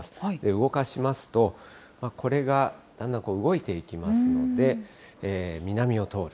動かしますと、これがだんだん動いていきますので、南を通る。